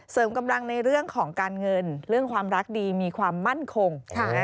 กำลังในเรื่องของการเงินเรื่องความรักดีมีความมั่นคง